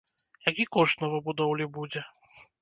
Які кошт новабудоўлі будзе?